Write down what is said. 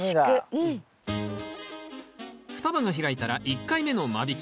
双葉が開いたら１回目の間引き。